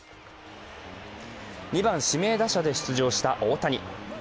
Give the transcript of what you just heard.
２番・指名打者で出場した大谷。